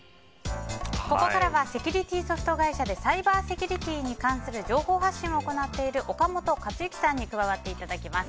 ここからはセキュリティーソフト会社でサイバーセキュリティーに関する情報発信を行っている岡本勝之さんに加わっていただきます。